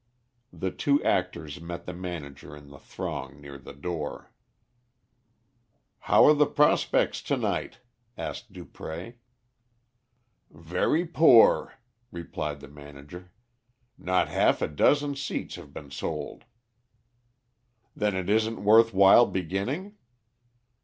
The two actors met the manager in the throng near the door. "How are prospects to night?" asked Dupré. "Very poor," replied the manager. "Not half a dozen seats have been sold." "Then it isn't worth while beginning?"